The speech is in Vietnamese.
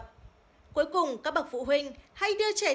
cuối cùng các bậc phụ huynh hay đưa trẻ